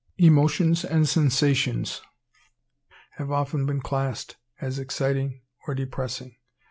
Emotions and sensations have often been classed as exciting or depressing.